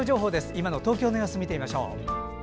今の東京の様子、見てみましょう。